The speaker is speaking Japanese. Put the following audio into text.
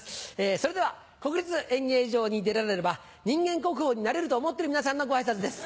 それでは国立演芸場に出られれば人間国宝になれると思ってる皆さんのご挨拶です。